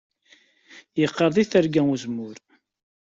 Yeqqaṛ deg Terga Uzemmur